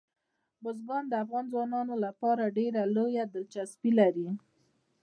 بزګان د افغان ځوانانو لپاره ډېره لویه دلچسپي لري.